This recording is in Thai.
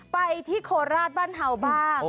ไปที่โธษราชบ้านไฮว์บ้าง